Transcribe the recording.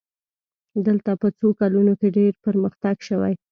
دلته په څو کلونو کې ډېر پرمختګ شوی.